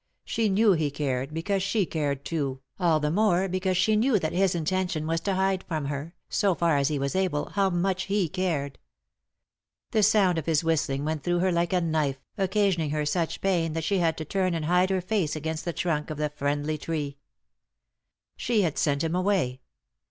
She knew he cared, because she cared too, all the more because she knew that his intention was to hide from her, so far as he was able, how much he cared. The sound of his whistling went through her like a knife, occasioning her such pain that she had to turn and hide her face against the trunk of the friendly tree. She had sent him away.